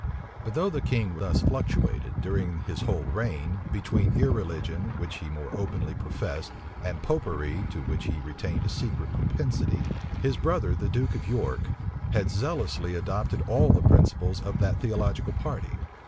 But though the king thus fluctuated, during his whole reign, between irreligion, which he more openly professed, and Popery, to which he retained a secret propensity, his brother the duke of York, had zealously adopted all the principles of that theological party.